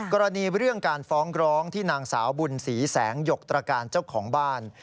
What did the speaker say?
กรณีเรื่องการฟ้องร้องที่นางสาวบุญศรีแสงหยกตรการเจ้าของบ้าน